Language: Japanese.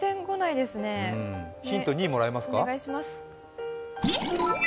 ヒント２、もらいますか。